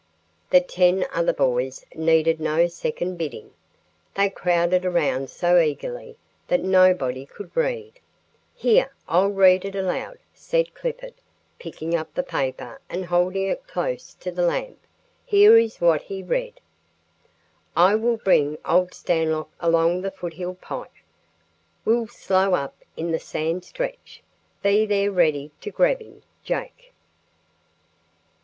The ten other boys needed no second bidding. They crowded around so eagerly that nobody could read. "Here, I'll read it aloud," said Clifford, picking up the paper and holding it close to the lamp. Here is what he read: "I will bring Old Stanlock along the foothill pike. Will slow up in the sand stretch. Be there ready to grab him. Jake."